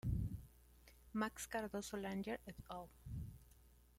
Max Cardoso Langer "et al.